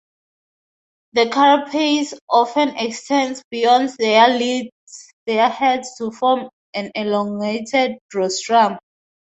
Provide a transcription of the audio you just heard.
The carapace often extends beyond their heads to form an elongated rostrum.